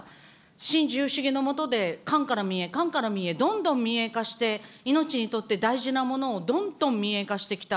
新自由主義の下で、官から民へ、官から民へ、どんどん民営化して、命にとって大事なものをどんどん民営化してきた。